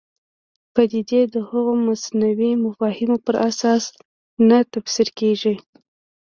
پدیدې د هغو مصنوعي مفاهیمو پر اساس نه تفسیر کېږي.